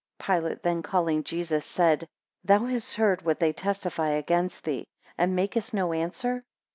4 Pilate then calling Jesus, said, thou hast heard what they testify against thee, and makest no answer?